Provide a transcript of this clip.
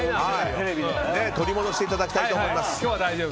取り戻していただきたいと思います。